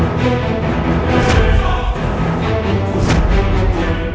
itu banget siis